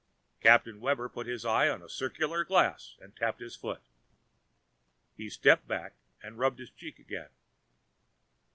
Captain Webber put his eye to a circular glass and tapped his foot. He stepped back and rubbed his cheek again.